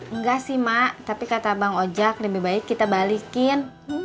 enggak sih mak tapi kata bang ojek lebih baik kita balikin